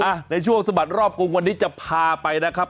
ในช่วงสะบัดรอบกรุงวันนี้จะพาไปนะครับ